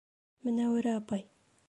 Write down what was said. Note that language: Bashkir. — Менәүәрә апай!